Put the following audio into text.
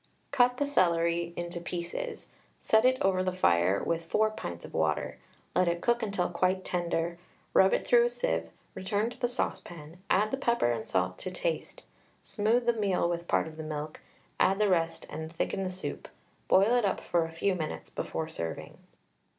Cut the celery into pieces, set it over the fire with 4 pint of water, let it cook until quite tender, rub it through a sieve; return to the saucepan, add pepper and salt to taste; smooth the meal with part of the milk, add the rest and thicken the soup; boil it up for a few minutes before serving.